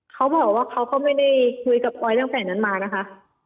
เขาบอกว่าเขาก็ไม่ได้คุยกับปอยตั้งแต่นั้นมานะคะ